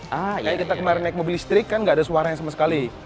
kayaknya kita kemarin naik mobil listrik kan nggak ada suaranya sama sekali